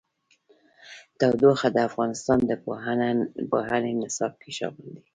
تودوخه د افغانستان د پوهنې نصاب کې شامل دي.